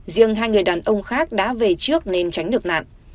riêng hai người đàn ông khác đã về trước nên tránh được nạn